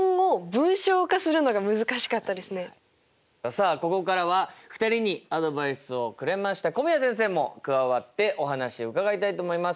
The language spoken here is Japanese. さあここからは２人にアドバイスをくれました古宮先生も加わってお話を伺いたいと思います。